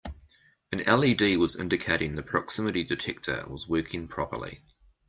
An LED was indicating the proximity detector was working properly.